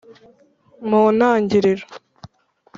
Mu ntangiriro